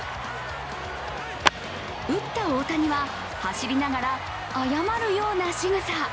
打った大谷は、走りながら謝るようなしぐさ。